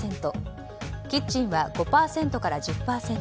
キッチンは５％から１０％